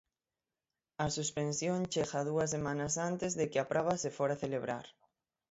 A suspensión chega dúas semanas antes de que a proba se fora celebrar.